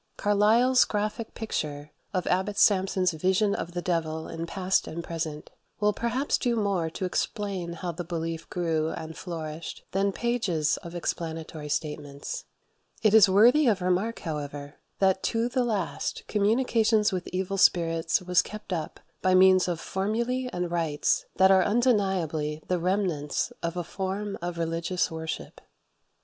Carlyle's graphic picture of Abbot Sampson's vision of the devil in "Past and Present" will perhaps do more to explain how the belief grew and flourished than pages of explanatory statements. It is worthy of remark, however, that to the last, communication with evil spirits was kept up by means of formulae and rites that are undeniably the remnants of a form of religious worship.